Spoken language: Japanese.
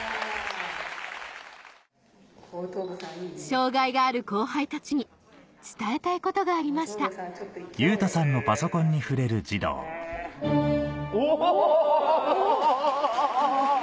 障がいがある後輩たちに伝えたいことがありましたおぉ！